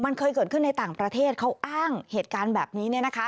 มันเคยเกิดขึ้นในต่างประเทศเขาอ้างเหตุการณ์แบบนี้เนี่ยนะคะ